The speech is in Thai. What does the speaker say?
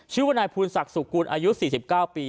ชื่อว่านายภูนศักดิ์สุกุลอายุ๔๙ปี